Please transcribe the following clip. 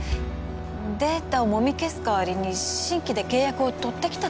データをもみ消す代わりに新規で契約を取ってきたってこと？